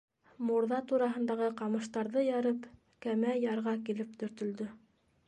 Мурҙа тураһындағы ҡамыштарҙы ярып, кәмә ярға килеп төртөлдө.